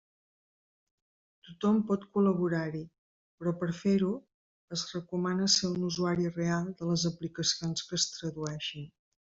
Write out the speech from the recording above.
Tothom pot col·laborar-hi, però per a fer-ho es recomana ser un usuari real de les aplicacions que es tradueixin.